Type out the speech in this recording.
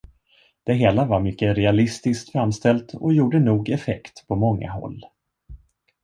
Det hela var mycket realistiskt framställt och gjorde nog effekt på många håll.